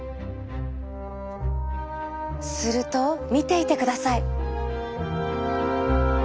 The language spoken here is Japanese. すると見ていてください。